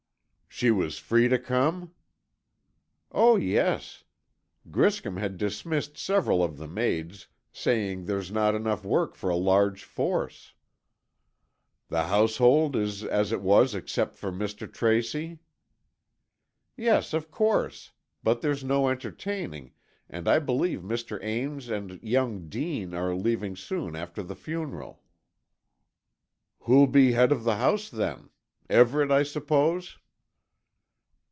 "She was free to come?" "Oh, yes. Griscom has dismissed several of the maids, saying there's not enough work for a large force." "The household is as it was except for Mr. Tracy." "Yes, of course, but there's no entertaining, and I believe Mr. Ames and young Dean are leaving soon after the funeral." "Who'll be head of the house, then? Everett, I suppose."